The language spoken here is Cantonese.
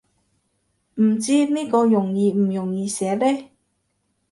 唔知呢個容易唔容易寫呢